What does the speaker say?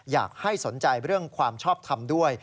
อยากให้สนใจเรื่องความชอบทำด้วย